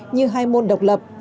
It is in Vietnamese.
như hai môn độc lập